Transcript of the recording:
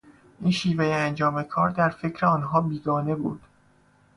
این شیوهی انجام کار در فکر آنها بیگانه بود.